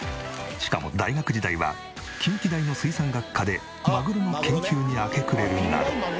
しかも大学時代は近畿大の水産学科でマグロの研究に明け暮れるなど。